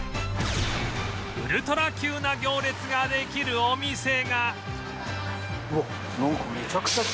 ウルトラ級な行列ができるお店が！